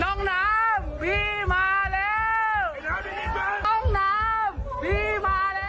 น้องน้ำพี่มาแล้ว